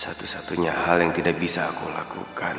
satu satunya hal yang tidak bisa aku lakukan